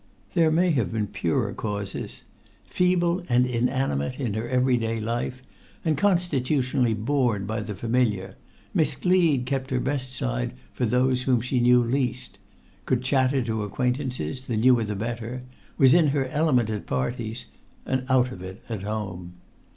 There may have been purer causes. Feeble and inanimate in her every day life, and constitutionally bored by the familiar, Miss Gleed kept her best side[Pg 129] for those whom she knew least; could chatter to acquaintances, the newer the better; was in her element at parties, and out of it at home.